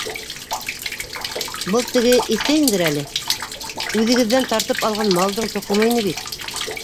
Был теге, иҫтәйһеңдер әле, үҙегеҙҙән тартып алған малдың тоҡомо ине бит...